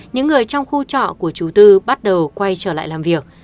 những người trong khu trọ của chú tư bắt đầu quay trở lại làm việc